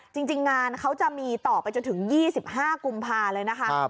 จริงงานเขาจะมีต่อไปจนถึง๒๕กุมภาเลยนะคะ